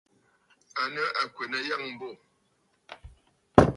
À nɨ àkwènə̀ àyâŋmbô.